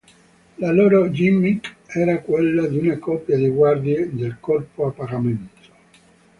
La loro "gimmick" era quella di una coppia di guardie del corpo a pagamento.